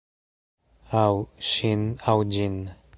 Aŭ... ŝin, aŭ ĝin.